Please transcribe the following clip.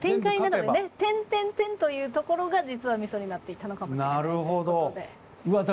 「」というところが実はみそになっていたのかもしれないということで。